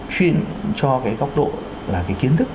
chuyên cho cái góc độ là cái kiến thức